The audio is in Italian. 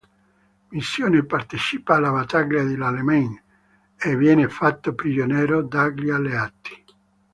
Missoni partecipa alla battaglia di El Alamein e viene fatto prigioniero dagli alleati.